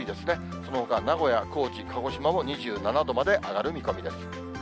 そのほか名古屋、高知、鹿児島も２７度まで上がる見込みです。